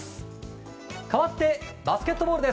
かわってバスケットボール。